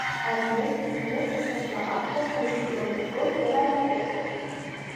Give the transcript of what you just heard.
Aliaj influoj estas la arto kaj videoludoj de la jardeko.